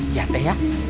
iya teh ya